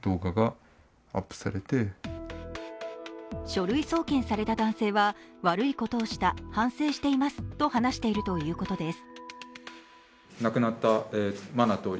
書類送検された男性は、悪いことをした、反省していますと話しているということです。